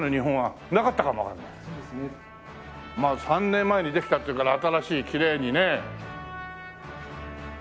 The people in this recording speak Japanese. ３年前にできたっていうから新しいきれいにね。